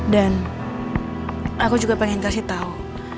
dan aku juga pengen kasih tahu